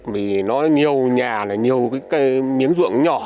vì nó nhiều nhà nhiều cái miếng ruộng nhỏ